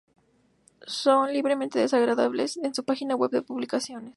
Son libremente descargables en su página web de publicaciones.